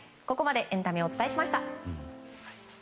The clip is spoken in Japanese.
ここまでエンタメお伝えしました。